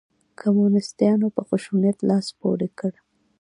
کمونسیتانو په خشونت لاس پورې کړ.